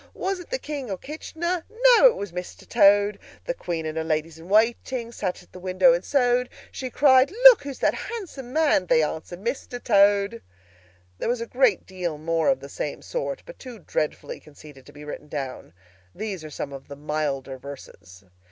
Was it the King? Or Kitchener? No. It was Mr. Toad. "The Queen and her Ladies in waiting Sat at the window and sewed. She cried, 'Look! who's that handsome man?' They answered, 'Mr. Toad.'" There was a great deal more of the same sort, but too dreadfully conceited to be written down. These are some of the milder verses.